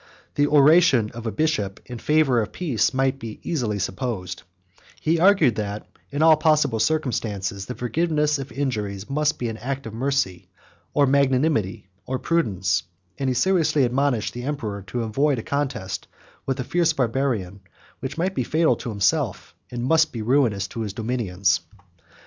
The oration of a bishop in favor of peace may be easily supposed; he argued, that, in all possible circumstances, the forgiveness of injuries must be an act of mercy, or magnanimity, or prudence; and he seriously admonished the emperor to avoid a contest with a fierce Barbarian, which might be fatal to himself, and must be ruinous to his dominions.